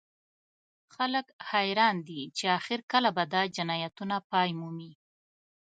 خلک حیران دي چې اخر کله به دا جنایتونه پای مومي